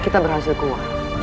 kita berhasil kuat